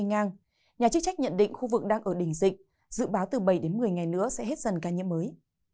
ngang nhà chức trách nhận định khu vực đang ở đỉnh dịch dự báo từ bảy đến một mươi ngày nữa sẽ hết dần ca nhiễm mới